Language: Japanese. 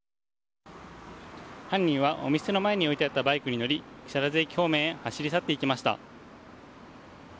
犯人はお店の前に置いてあったバイクに乗り木更津駅方面へ走り去っていきました。